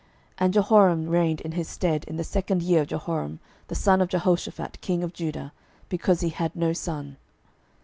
And Jehoram reigned in his stead in the second year of Jehoram the son of Jehoshaphat king of Judah; because he had no son.